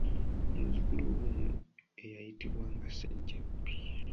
Muzzukulu we ono eyayitibwanga Ssajjabbi.